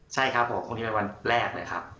ใช่ครับผมพรุ่งนี้เป็นวันแรกเลยครับ